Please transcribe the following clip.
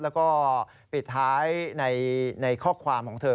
แล้วก็ปิดท้ายในข้อความของเธอ